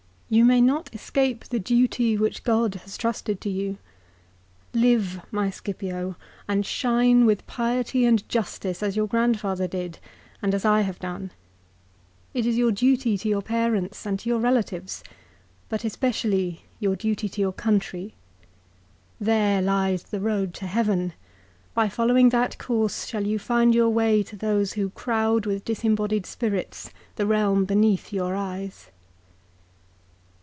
You may not escape the duty which God has trusted to you. Live, my Scipio, and shine with piety and justice as your grandfather did, and I have done. It is your duty to your parents and to your relatives ; but especially your duty to you r country. There lies the road to heaven. By following that course shall you find your way to those who crowd with deseinbodied spirits the realm beneath your eyes.'